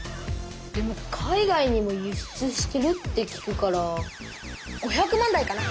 でも海外にもゆ出してるって聞くから５００万台かな？